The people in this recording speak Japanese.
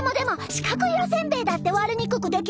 しかくいおせんべいだってわれにくくできるし！